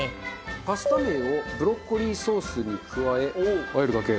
パスタ麺をブロッコリーソースに加え和えるだけ。